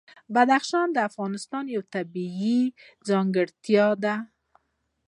بدخشان د افغانستان یوه طبیعي ځانګړتیا ده.